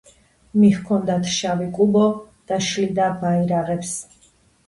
მიჰქონდათ შავი კუბო, და შლიდა ბაირაღებს